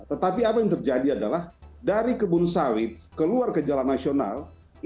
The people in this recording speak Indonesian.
tetapi apa yang terjadi adalah dari kebun sawit keluar ke jalan nasional itu jalannya rusak dan bunuh